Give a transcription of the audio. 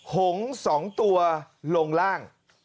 หง๒ตัวลงล่าง